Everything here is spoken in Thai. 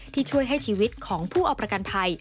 ที่ช่วยให้ชีวิตของผู้เอาประกันภัย